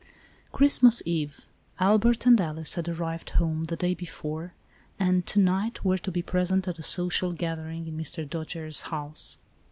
Christmas eve. Albert and Alice had arrived home, the day before, and, to night, were to be present at a social gathering in Mr. Dojere's house.